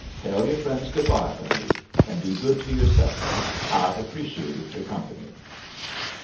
Tell your friends good bye for me, and be good to yourself. I've appreciated your company."